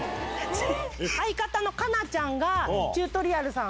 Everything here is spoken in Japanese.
相方の香菜ちゃんが、チュートリアルさん